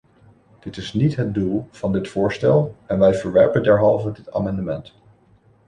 Dat is niet het doel van dit voorstel en wij verwerpen derhalve dit amendement.